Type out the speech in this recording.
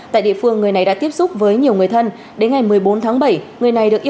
tại địa phương người này đã tiếp xúc với nhiều người thân